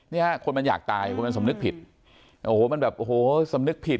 เนี่ยฮะคนมันอยากตายคนมันสำนึกผิดโอ้โหมันแบบโอ้โหสำนึกผิด